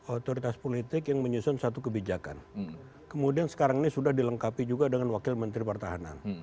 otoritas politik yang menyusun satu kebijakan kemudian sekarang ini sudah dilengkapi juga dengan wakil menteri pertahanan